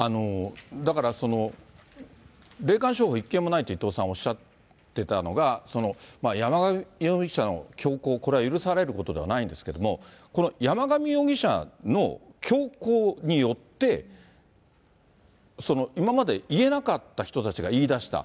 だから、霊感商法１件もないと、伊藤さん、おっしゃっていたのが、その山上容疑者の凶行、これは許されることではないんですけど、この山上容疑者の凶行によって、今まで言えなかった人たちが言いだした。